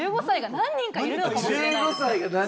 １５歳が何人かいるねや。